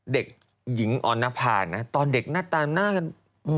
เด็กหญิงออนภานะตอนเด็กหน้าตามหน้ากัน